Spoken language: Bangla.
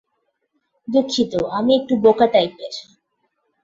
দুঃখিত, আমি একটু বোকা টাইপের।